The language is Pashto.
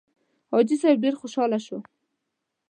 حاجي صیب ډېر خوشاله شو.